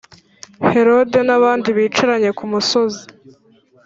Herode n abari bicaranye ku musozi